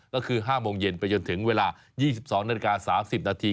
ก็คือ๕โมงเย็นไปจนถึงเวลา๒๒นาฬิกา๓๐นาที